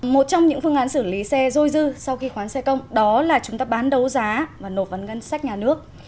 một trong những phương án xử lý xe dôi dư sau khi khoán xe công đó là chúng ta bán đấu giá và nộp vào ngân sách nhà nước